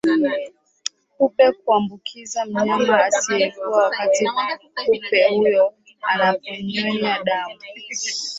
kupe huambukiza mnyama asiyeugua wakati kupe huyo anapomnyonya damu